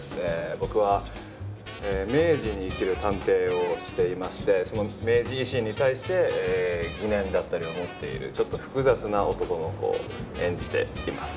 僕は明治に生きる探偵をしていましてその明治維新に対して疑念だったりを持っているちょっと複雑な男の子を演じています。